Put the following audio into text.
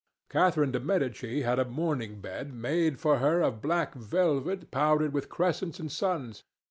Catherine de Medicis had a mourning bed made for her of black velvet powdered with crescents and suns.